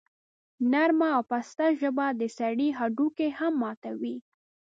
نرمه او پسته ژبه د سړي هډوکي هم ماتوي.